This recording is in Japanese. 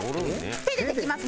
手でできます